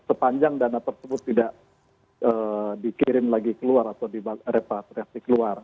sepanjang dana tersebut tidak dikirim lagi keluar atau direpatriasi keluar